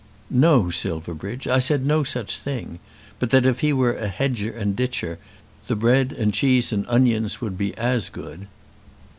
"No, Silverbridge; I said no such thing; but that if he were a hedger and ditcher the bread and cheese and onions would be as good."